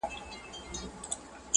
کلونه کيږي چي هغه پر دې کوڅې نه راځي